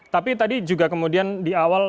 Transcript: tapi tadi juga kemudian di awal